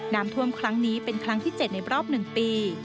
น้ำท่วมครั้งนี้เป็นครั้งที่๗ในรอบ๑ปี